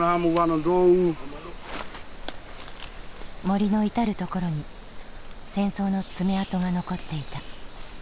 森の至る所に戦争の爪痕が残っていた。